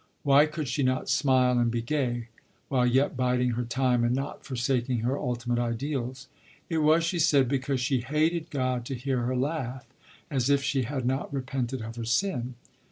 Why could she not smile and be gay, while yet biding her time and not forsaking her ultimate ideals? It was, she said, because she "hated God to hear her laugh, as if she had not repented of her sin."